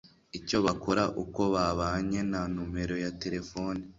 icyo bakora, uko babanye na numero ya telefoni).